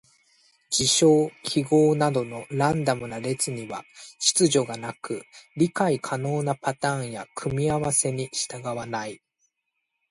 事象・記号などのランダムな列には秩序がなく、理解可能なパターンや組み合わせに従わない。